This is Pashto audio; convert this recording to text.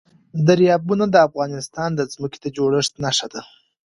دریابونه د افغانستان د ځمکې د جوړښت نښه ده.